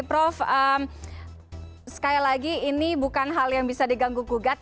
prof sekali lagi ini bukan hal yang bisa diganggu gugat